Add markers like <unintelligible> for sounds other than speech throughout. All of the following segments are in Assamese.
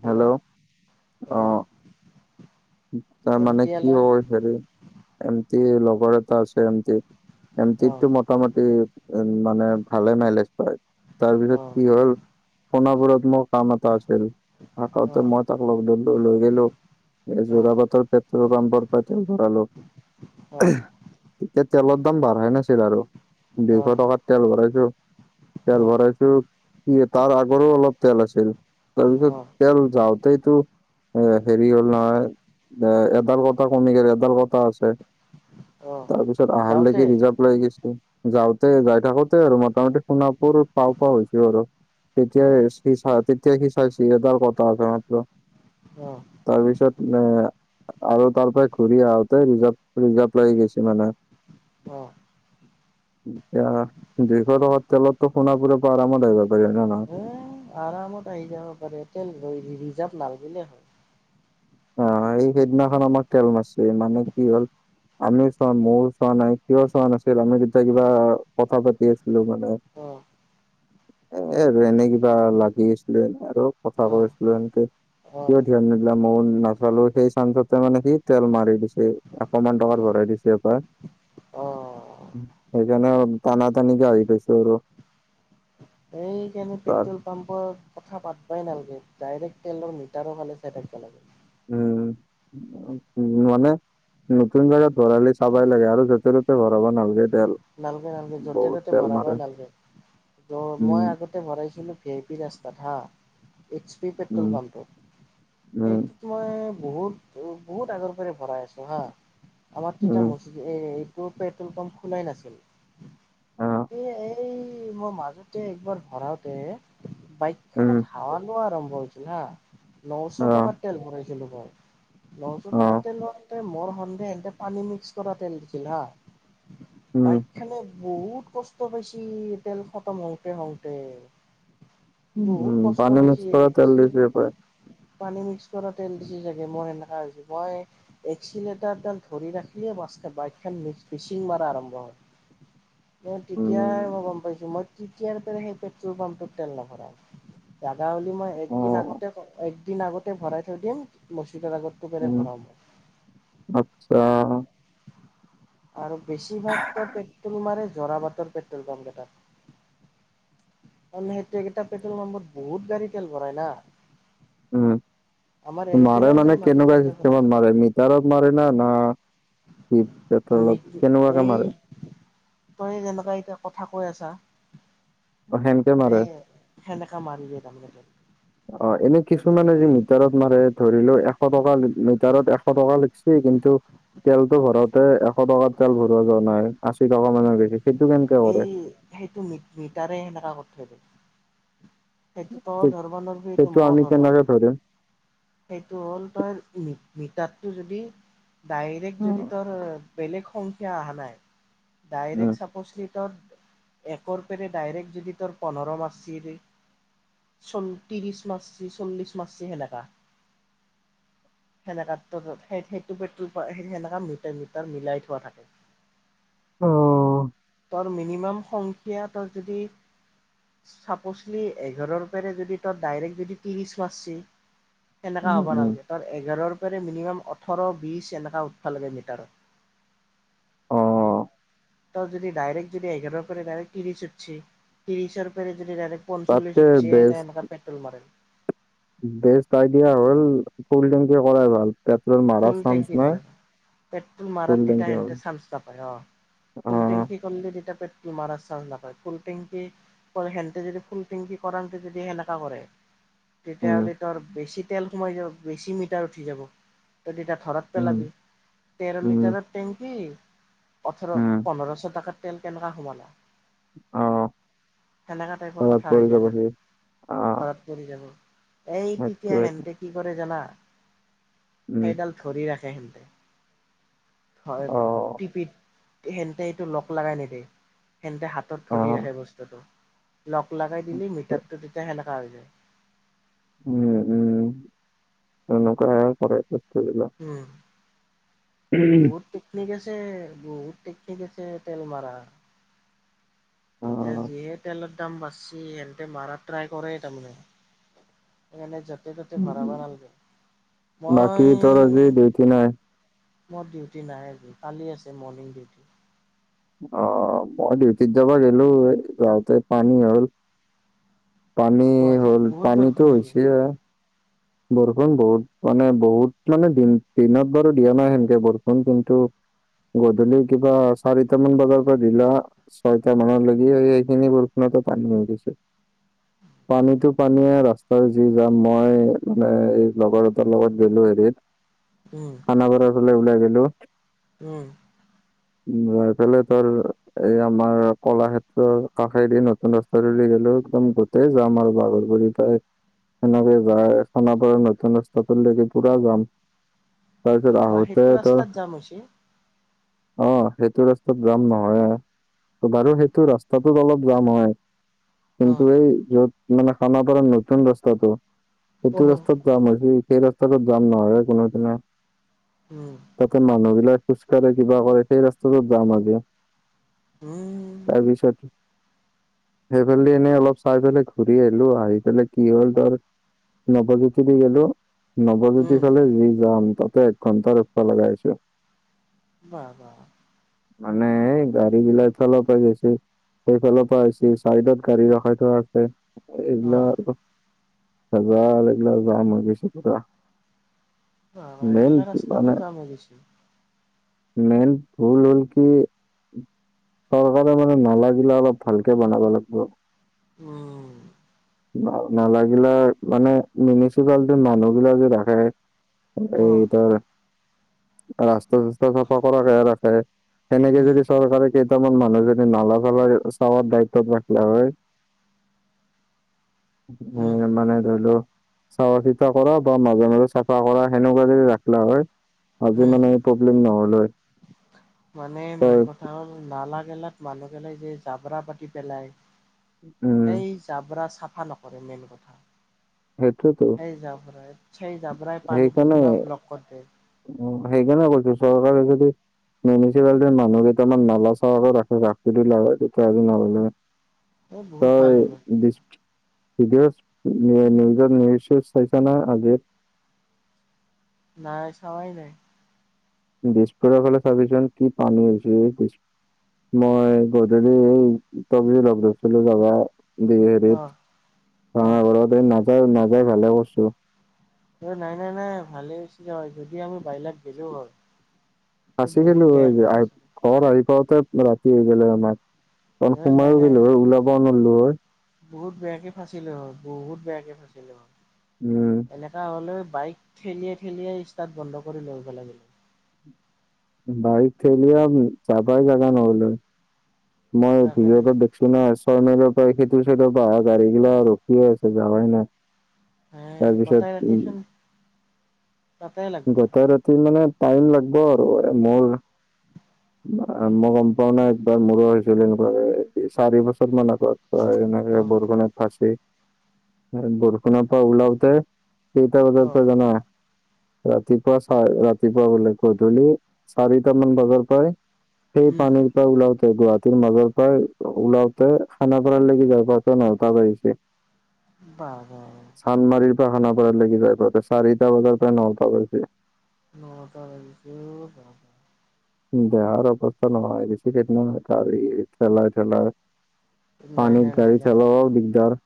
হেল্ল', অ'। তই মানে কি হ হেৰি, এমতি লগৰ এটা আছে। <unintelligible> অঁ এমটটো মোটামুটি উম, মানে ভালে মাইলেজ পাই। তাৰপিছত অঁ কি হ'ল, সোণাপুৰত মোৰ কাম এটা আছিল, আহোতে অঁ মই তাক লগ ধৰলো লৈ গ'লো। এই অঁ যোৰা পাটৰ পেট্ৰল পাম্পৰ পাৰা তেল ভৰাল। অঁ তেতিয়া তেলৰ দাম বাঢ়াই নাছিল আৰু, দুশ অঁ টকাত তেল ভৰাইছো। তেল অঁ ভৰাইছো। কি তাৰ আগৰো অলপ তেল আছিল, তাৰপিছত অঁ তেল যাওঁতেইতো এ হেৰি হ'ল নহয় এ এডাল কথা কমি গেলে এডাল কথা আছে। অঁ তাৰপিছত আহাৰ যাওঁতে লগি নিজক। যাওঁতে যাই থাকোতে আৰু মোটামুটি সোণাপুৰত পাৰ্কো হৈছো আৰু। তেতিয়া অঁ সি চাই তেতিয়া সি চাইি এডাৰ কথা আছে মাত্ৰ। উম। তাৰপিছত মানে। আৰু তাৰ পৰা ঘূৰি আহোতে ৰিজাৰ্ভ লৈ গৈছে মানে অ অ দুশ টকাত তেলত সোণাপোৰে পৰা আৰামত আহিব পাৰী হয়নে নহয় এ আৰামত আহি যাব পাৰে তেল ৰিজাৰ্ভ নাগিলে হয়। অ এই সেইদিনাখন আমাক তেল নাছিল মানে কি হ'ল। আমিও চোৱা মোৰো চোৱা নাই কিয় চোৱা নাছিল আমি তেতিয়া কিবা কথা পাতি আছিলো মানে। অ'। এ আৰু এনে কিবা লাগি আছিলো এনে আৰু কথা অঁ কৈছিলো এনেকে অঁ ধ্যান নিদিলা মইও নিদিলোঁ নাচালো সেই চানঞ্চতে মানে সি তেল মাৰি দিছে অকমান টকাত ভৰাই দিছে এপ অহ সেইকাৰনে তানা তানিকে আহি পাইছো আৰু এইযে আমাৰ তাৰ পেটতো পাম্পৰ কথা পাতবই নালাগে ডাইৰেক্ট তেলৰ মিটাৰৰ ফালে চাই থাকিব লাগে উম মানে নতুন জাগাত ভৰালে চাবাই লাগে আৰু য'তে ত'তে ভৰাব নালাগে তেল নালকে নালকে য'তে বহুত ত'তে তেল ভৰা মাৰে বাই নালকে মই উম আগত তেল ভৰাইছিলো ভি আই পি ৰাস্তাত হা এইচ পি পেট্ৰল উম উম পাম্পত মই বহুত বহুত আগৰ পৰে ভৰাই আছো হা আমাৰ উম এইটো পেট্ৰল পাম্প খোলাই নাছিল আহ এই এই মই মাজতে একবাৰ ভৰাওঁতে উম বাইকখেনত হাৱা আৰম্ভ হৈছিল হা নশ আহ টকাৰ তেল ভৰাইছিলো মই নশ টকা আহ তেলৰ এতে মোৰ সেন্দেহ এতে পানী মিক্স কৰা তেল দিছিল হা উম বাইক খানে বহুত কষ্ট হৈছিল তেল খতম হওঁতে হওঁতে। উম, বহুত কষ্ট পানী মিক্স কৰা তেল পাইছে। দিছে পায়। পানী মিক্স কৰা তেল দিছে চাগে মই সেনেকা হৈছিল মই এক্সিলেতাৰ ডাল ধৰি ৰাখিলে বাইকখন চিং মাৰা আৰম্ভ হয়। ম তেতিয়াই উম, মই গম পাইছো মই তেতিয়াৰ পৰা সেই পেট্ৰল পাম্পটোত তেল নভৰাও। লাগা হলে মই একদিন অ', আগতে একদিন আগতে ভৰাই থৈ দিম মছিদৰ আগত উম আচ্ছা আৰু বেছিভাগো পেট্ৰল মাৰে জৰা বাটৰ পেট্ৰল পাম্প গে তাত সেইটো কেইটা পেট্ৰল পাম্পত বহুত গাড়ী তেল ভৰাই না। উম আমাৰ মাৰে এৰেপেৰাও মানে যায় মানুহ কেনেকুৱা তাতে ভৰাই। চিষ্টেমত মাৰে মিটাৰত মাৰে না সেই পেট্ৰলত কেনেকুৱাকে এই মাৰে তই যেনেকুৱা এতিয়া কথা কৈ আছা অ', সেনকে মাৰে এই সেনেকা মাৰ দিয়ে তাৰমানে অ এনে তই কিছুমানে যে যদি মিটাৰত মাৰে ধৰি লও এশ টকা লিটাৰত এশ টকা লেখছে কিন্তু তেলতো ভৰাতে এশ টকা তেল ভৰোৱা যোৱা নাই আশী টকা মানৰ গেষি এই সেইটো মি মিটাৰে সেনেকা কৰি থৈ দিয়ে। এইটো তইয়ো সেই- ধৰ্বা নৰা এইটো সেইটো মইয়ো আমি ধৰ্বা কেনেকে নৰু ধৰিম? সেইটো হ'ল তই মিটাৰটো যদি ডাইৰেক্ট যদি উম, তোৰ বেলেগ সংখ্যা আহা নাই উম, ডাইৰেক্ট চাপ'জ ত একৰ পেৰে ডাইৰেক্ট যদি তোৰ পোন্ধৰ মাৰ্চি তোৰ চোন ত্ৰিছ মাৰিছে চল্লিছ মাৰিছে সেনেকা সেনেকা টোৰ সেই সেইটো পেট্ৰল সেনেকা মিটাৰ মিটাৰ মিলাই থোৱা থাকে। অঁ তৰ মিনিমাম সংখ্যাতৰ যদি চাপচলি এঘাৰৰ পৰাৰে যদি তই ডাইৰেক্টলি যদি তিৰিশ মাৰছি। সেনেকা উম, হ'ব উম, নালগে, তাৰ এঘাৰৰ পৰা মিনিমাম ওঠৰ বিশ এনেকা উঠবা লাগে মিটাৰত। অ', ত যদি ডাইৰেক্ট যদি এঘাৰৰ পৰা ডাইৰেকট ত্ৰিশ উঠছি ত্ৰিশৰ পেৰা যদি ডাইৰেক্ট তাতকে পঞ্চলিশ উঠছি বেচ তে সেনকা পেট্ৰল মাৰল বেষ্ট আইডিয়া হ'ল ফুলটেংকি কৰাই ভাল পেট্ৰল মাৰাৰ ফুল টেংকি চান্স নাই। কৰে পেট্ৰল ফুল মাৰাত তেতিয়া টেংকি হ'ল সেনতে চান্স নাপায় অ ফুল আহ টেংকী সিহঁতে তেতিয়া পেট্ৰ'ল মাৰা চান্স নাপায় ফুল টেঙ্কী ফৰ সেনতে যদি ফুল টেংকি কৰঙতে যদি সেনেকা কৰে। উম তেতিয়াহ'লে তৰ বেছি তেল সোমাই যাব বেছি মিটাৰ উঠি যাব। তই তিটা ধৰাত উম পেলাবি তেৰ উম লিটাৰৰ টেংকি অঠৰ উম পোন্ধৰশ টকাৰ তেল কেনেকা সোমালা? আহ সেনেকা টাইপৰ ভাড়াত কথা পৰি হৈ যায় যাব না সি আহ ধৰত পৰি যাব। এই তেতিয়া সেইটোৱেটো হেনতে কি কৰে জানা? উম সেইডাল ধৰি ৰাখে সেনতে ঘয় আহ টিপিত সেহতে এইটো লগ লগাই নিদে সেন্তে হাতত ধৰি আহ ৰাখে বস্তুটো। লগ লগাই দিলি মিটাৰটো তেতিয়া সেনেকা হৈ যায়। উম উম সেনকাহে কৰে। বস্তুবিলাক উম বহুত টোক টেকনিক আছে, বহুত টেকনিক আছে তেল মাৰা। এতিয়া আহ যিহে তেলৰ দাম বাঢ়ছি সেহতে মৰা ট্ৰাই কৰে তাৰমানে। সেইকাৰণে য'তে ত'তে ভৰাব নালাগে। বাকী তোৰ আজি মই ডিউটি নাই মোৰ ডিউটি নাই আজি কালি আছে মৰ্ণিং ডিউটি। অ মই ডিউটিত যাবা গেলো যাওঁতে পানী হ'ল। পানী গুৱাহাটীত হ'ল বহুত পানীটো বৰষুণ হৈ নেকি? হৈছে এ বৰষুণ বহুত, মানে বহুত মানে দিন দিনত বাৰু দিয়া নাই সেনেকে বৰষুণ দিনটো গধূলি কিবা চাৰিটামান বজাৰ পৰা দিলা। ছয়টা মানৰ লকে সেই সেইখিনি বৰষুণতো পানী হৈ গৈছে। পানীটো পানীয়ে ৰাস্তা যি যাম মই মানে এই লগৰ এটাৰ লগত গেলো হেৰিত উম। খানপাৰাৰ ফালে ওলায় গেলো। উম। <inaudible> যায় ফেললে তাৰ এই আমাৰ কলাক্ষেত্ৰৰ কাষেদি নতুন ৰা চৰিআলি গলো, একদম গোটেই যাম আৰু বাগৰব পাই সেনেকে যায় সোনাপুৰৰ নতুন ৰাস্তালৈকে নতুন পুৰা যাম। কি তাৰপাছত কোৱা আহোতে সেইটো ত ৰাস্তাত যাম হৈছে অঁ সেইটো ৰাস্তাত যাম নহয় এ। ত বাৰু সেইটো ৰাস্তাটোত অলপ জাম হয়। কিন্তু অ', এই য'ত মানে খানাপাৰৰ নতুন ৰাস্তাটো সেইটো অহ। ৰাস্তাত জাম হৈছে, সেই ৰাস্তাটোত জাম নহয় কোনোদিনে। উম তাতে মানুহ বিিলাক খোজ কঢ় কিবা কৰে সেই ৰাস্তাটোত যাম আজি উম, তাৰপিছত সেইফালে এনেই অলপ চাই পেলাই ঘূৰি আহিলো আহি পেলাই কি হ'ল তোৰ নৱজ্যোতি দি গলো নৱজ্যোতি উম, ফালে যি যাম তাতে এক ঘন্টা ৰখা লগা হৈছে বাহ বাহ মানে এই গাড়ী বিলাক ফল পৰা গৈছ সেইফালৰ পৰা চাইডত গাড়ী ৰখাই থোৱা আছে অ'। এইবিলাক আৰু য লিলা যাম মাগিছা ইগেলা মানে ৰাস্তাটো যাম অবশ্য মেইন ভুল হ'ল কি চৰকাৰে মানে নালা গিলা অলপ ভালকে বনাব লাগিব উম নালাগিলে মানে মিউনিচিপালিটিৰ মানুহ বিিলাক যে দেখাই এই অ', ত ৰাস্তা চস্তা চাফা কৰাকে ৰাখে সেনেকে উম, যদি চৰকাৰে কেইটামান মানুহজননে নালা চালাৰ চাৱাৰ দায়িত্বত ৰাখিলে হয় উম, উ মনেদলো চোৱা চিতা কৰা বা মাজে মাজে চাফা কৰা সেনেকুৱা যদি ৰাখিলা হয় আজি উম। মানে প্ৰব্লেম নহলহৈ মানে মেইন কথা হ'ল নালা গেলাত মানুহ গেলাই যে জাবৰা পাতি পেলাই উম সেই জাবৰা চাফা নকৰে মেইন কথা সেইটোৱেতো সেই যাব জাবৰাই পানীটো পুৰা ব্লক কৰা দিয়ে উম সেইকাৰনে কৈছো চৰকাৰে যদি মিউনিচিপালিটিৰ মানুহ কেইটামান নলা চকো ৰাখে ৰাখে তেতিয়া নহলে এই তো বহুত ভাল হ'ল। <unintelligible> নিউজত নিউচ চাইছা না আজিৰ নাই চাৱাই নাই দিছপুৰৰ ফালে চাবিচোন কি পানী হৈছে মই গধূলি এই তব লগ ধৰিছিলো যাবা দি হেৰিত অ', অ', ভাঙাঘৰতে ন নাযাই ভালে কৰছো অ নাই নাই নাই ভালে হৈছে হয় যদি আমি বাইলত গেলো হয় এই ফাচি বহুত গেলো হৈ বেয়াকে ফাঁচিলো ঘৰ আহি পাওতে ৰাতি হৈ গলে আমাক কাৰণ এ সোমাব নাই নাই নোৱাৰিলো হয় ওলাব নোৱাৰলো হয় বহুত বেয়াকে ফাঁচিলো হ বহুত বেয়াকে ফাঁচিলো হয় উম এনেকুৱা হ'লেও বাইক ঠেলিয়াই ঠেলিয়াই ষ্টাৰ্ট বন্ধ কৰি লৈ আহিব লাগে বাইক থেলি আৰু যাবাই জাগা নহলে মই তাকেতো ভিডিঅ' দেখি চু না ছয় মাইলৰ পৰা সেইটো সেইটো পৰা গাড়ী গিলা ৰখিয়ে আছে যাবাই নাই এ তাৰপিছত গটাই উম ৰাতিচোন তাতেই লাগব গোটেই ৰাতি মানে টাইম লাগব আৰু মোৰ মই গম পাও নাই একবাৰ মোৰো হৈছিল এনেকুৱা চাৰি বছৰ মান আগত এনেকে অ', বৰষূুণত ফাঁচি বৰষুনৰ পৰা ওলাতে কেইটা বজাৰ অ', পৰা জানা ৰাতিপুৱা চা ৰাতিপুৱা বোলে গধূলি চাৰিটা মান বজাৰ পৰাই সেই উম, পানীৰ পৰা ওলওতে গুৱা। হাতীৰ মাজৰ পৰা ওলাওতে, খানাপাৰাৰ লৈকে যোৱাতে নতা বাজিছে। <unintelligible> চান্মাৰীৰ পৰা, খানাপাৰালৈকে যায়, তাতে চাৰিটা বজাৰ পৰা নটা বাজিছে। ন তাৰিখেও দেহাৰ অৱস্থা নহা হৈ গৈছে, কেইদিনমান কালি খেলাই থেলাই- নাই পানীত নাই নাই গাড়ী নাই চলোৱাৰ দিগদাৰ।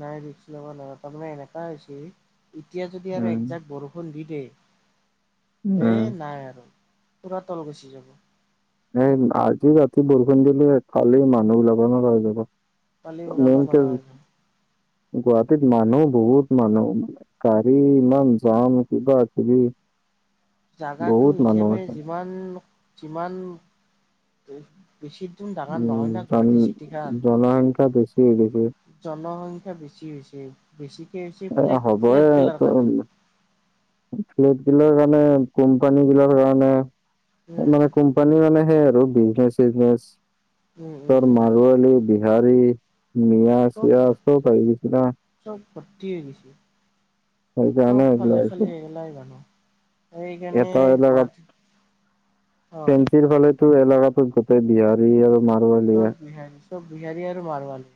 নাই ৰিক্স লবা নৰা তাৰমানে এনেকা হৈ হৈছে, এতিয়া যদি আৰু উম একজাক্ট বৰষুণ- খুন্দি দেই, উম এই নাই আৰু পুৰা তল গুচি যাব এ আজি ৰাতি বৰষুণ দিলে, খালি মানুহ বিলাকৰো ওলাব নোৱাৰা হৈ যাব- পানী ওলাব মেইনকে নৰা হৈ যায়- গুৱাহাটীত মানুহ বহুত মানুহ। গাড়ী ইমান যাম, কিবা কিবি জোগাটো বহুত মানুহ হিচাপে, আছে যিমান যিমান বেছি দূৰ ডাঙৰ নহয় উম', না জন গুৱাহাটী জনসংখ্যা বেছি হৈ গৈছে। জনসংখ্য্ বেছি হৈছে, বেছিকে হৈছে এ ফ্লেগ হ'বই ফ্লেগ গেলাৰ কাৰণে। ফ্লেট গিলৰ কাৰণে, কোম্পানী গিলাৰ কাৰণে উম মানে কোম্পানী মানে সেই আৰু, বিজনেচ চিজনেচ উম উম তৰ উম মাৰুৱলী, বিহাৰী, মিয়া, চব চিয়া চব আহি গৈছে না চব ভৰ্তি হৈ গৈছে, সেইকাৰণে চব এইগিলা ফালে আহিছে। এগেলাই জানো। এইখনে এটা এলেকাত গুৱাহাটী অ' ফেঞ্চিৰ ফালেতো এলাৰৰাটো গোটেই বিহাত আৰু মাৰোৱাৰী চব বিহাৰী, চব বিহাৰী আৰু মাৰোৱাৰী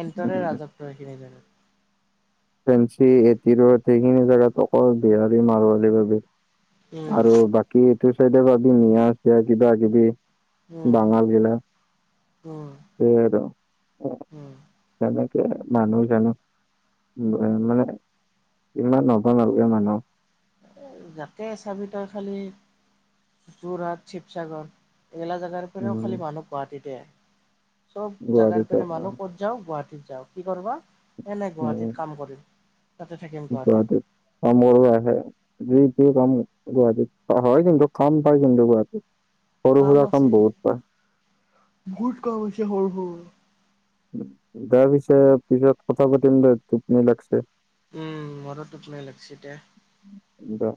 হেলটৰে ৰাজত্ব সখিনি জেগা। ফেঞ্চি এট সেইখিনি জোগাত অকল বিহাৰী, মাৰোৱালীৰ বাবে উম আৰু বাকী এইটো চাইড ভাবি মিয়া, চিয়া, কিবা কিবি উম বাঙাল বিলা উম সেই উম তেনেকে মানুহ জানো এ মানে, ইমান নবাম আৰু এই মানুহ। যাতে চাবিত খালী, যোৰহাট শিৱসাগৰ গেলা জেগাৰ পৰােৰেও উম খালি মানুহ, গুৱাহাটীতে চব জেগাৰ গুৱাহাটীত পেৰে মানুহ ক যাওঁ গুৱাহাটীত যাওঁ, কি কৰিবা এনে উম গুৱাহাটীত কাম কৰিম, তাতে থাকিম গুৱাহাটীত। অ', মোৰ আহে দুই কম গুৱাহাটীত, হয় কিন্তু কাম পায় কিন্তু গুৱাহাটীত। সৰু কাম সুৰা আছিল, বহুত পায় বহুত কাম হৈছে সৰু সৰু দেয়া পিছে পিছত কথা পাতিম দে, টোপনি লাগিছে। উম, মোৰো টোপনি লাগছে দে। দে।